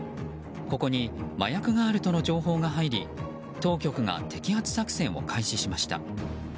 ここに麻薬があるとの情報が入り当局が摘発作戦を開始しました。